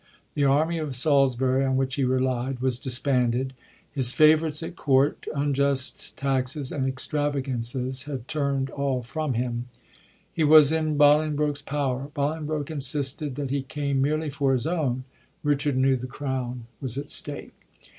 The army of Salis bury, on which he relied, was disbanded. His favorites at Court, unjust taxes and extravagances had tumd all from him. He was in Bolingbroke's power. Boling broke insisted that he came merely for his own ; Richard knew the crown was at stake.